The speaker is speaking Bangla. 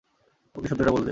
ওকে সত্যিটা বলে দে।